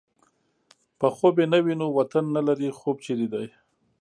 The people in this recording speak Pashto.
په خوب يې نه وینو وطن نه لرې خوب چېرې دی